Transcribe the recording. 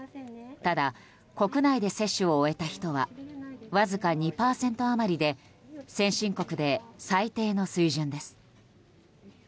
ただ、国内で接種を終えた人はわずか２％余りで先進国で最低の水準です。